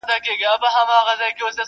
o نور مغروره سو لويي ځني کيدله,